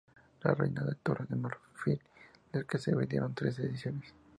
La reina de la Torre de Marfil"", del que se vendieron tres ediciones.